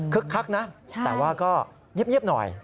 คักนะแต่ว่าก็เงียบหน่อย